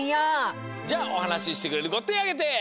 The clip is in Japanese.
じゃあおはなししてくれるこてあげて！